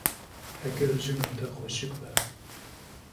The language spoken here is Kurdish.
Heger jina te xweşik be.